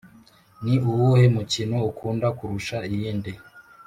ni uwuhe mukino ukunda kurusha iyindi?